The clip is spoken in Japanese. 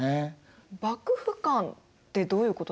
幕府観ってどういうことですか？